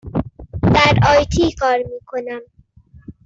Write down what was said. در آی تی کار می کنم.